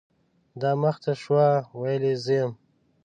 دا مخ ته شوه ، ویل زه یم .